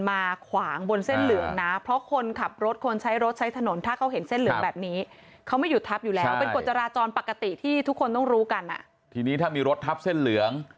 ไม่ได้หยุดทับอยู่แล้วเป็นกวจราจรปกติที่ทุกคนต้องรู้กันทีนี้ถ้ามีรถทับเส้นเหลือง